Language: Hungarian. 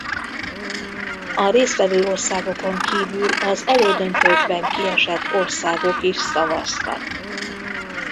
A részt vevő országokon kívül az elődöntőkben kiesett országok is szavaztak.